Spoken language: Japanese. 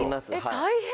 大変！